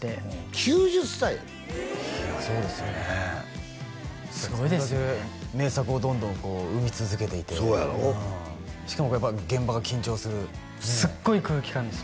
９０歳やでいやそうですよねすごいですよねあれだけ名作をどんどんこう生み続けていてそうやろしかもやっぱ現場が緊張するすっごい空気感です